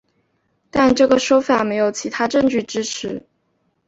但这个说法没有其他的证据支持。